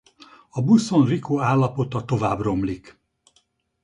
A buszon Rico állapota tovább romlik.